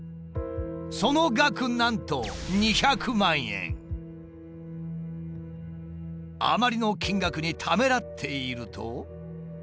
その額なんとあまりの金額にためらっていると。